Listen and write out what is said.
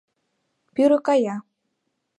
Пӱрӧ кая.